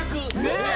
ねえ。